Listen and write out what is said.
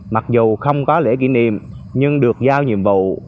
mặc dù không có lễ kỷ niệm nhưng được giao nhiệm vụ